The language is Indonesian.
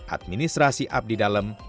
administrasi abdi dalam